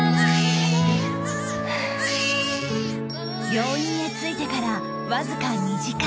病院へ着いてからわずか２時間